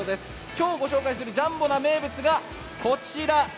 今日ご紹介するジャンボな名物がこちら。